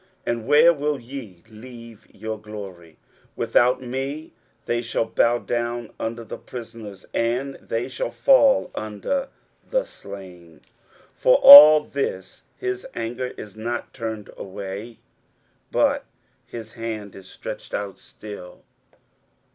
and where will ye leave your glory? 23:010:004 Without me they shall bow down under the prisoners, and they shall fall under the slain. For all this his anger is not turned away, but his hand is stretched out still.